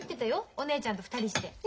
お姉ちゃんと２人して。ね！